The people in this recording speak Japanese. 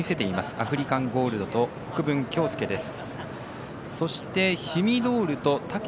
アフリカンゴールドと国分恭介です。